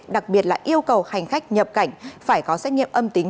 đặc biệt là yêu cầu hành khách nhập cảnh phải có xét nghiệm âm tính